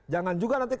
jangan juga nanti